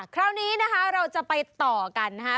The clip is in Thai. คราวนี้นะคะเราจะไปต่อกันนะคะ